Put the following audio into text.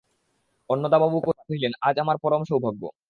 অন্নদাবাবু কহিলেন, আজ আমার পরম সৌভাগ্য।